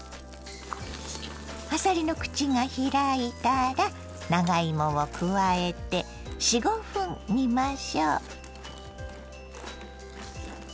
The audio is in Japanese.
あさりの口が開いたら長芋を加えて４５分煮ましょ。